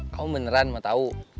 kamu beneran mau tau